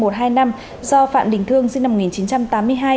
do phạm đình thương sinh năm một nghìn chín trăm tám mươi hai